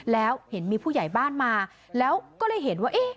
แล้วเห็นมีผู้ใหญ่บ้านมาแล้วก็เลยเห็นว่าเอ๊ะ